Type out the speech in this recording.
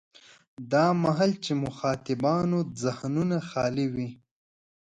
دا مهال چې مخاطبانو ذهنونه خالي وي.